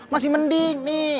masih mending nih